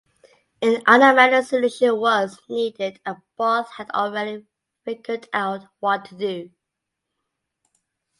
An automatic solution was needed and Barth had already figured out what to do.